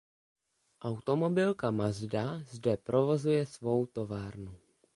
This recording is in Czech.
Automobilka Mazda zde provozuje svou továrnu.